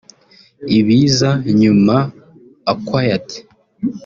Ibiza nyuma (acquired)